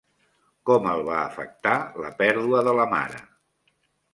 Com el va afectar la pèrdua de la mare?